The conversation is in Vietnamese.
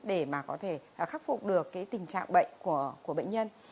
để mà có thể khắc phục được cái tình trạng bệnh của bệnh nhân